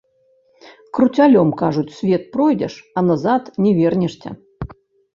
Круцялём, кажуць, свет пройдзеш, а назад не вернешся.